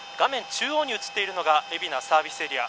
中央に映っているのが海老名サービスエリア。